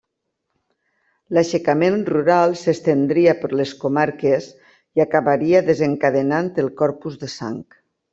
L'aixecament rural s'estendria per les comarques i acabaria desencadenant el Corpus de Sang.